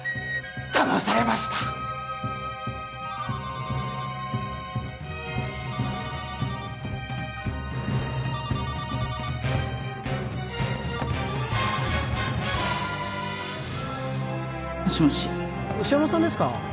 騙されましたもしもし牛山さんですか？